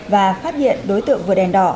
và phát hiện đối tượng vượt đèn đỏ